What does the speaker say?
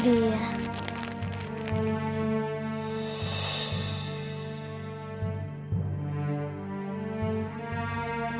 aku disuruh bawa garam